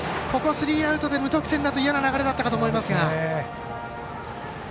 スリーアウトで無得点だといやな流れだったかと思いますが。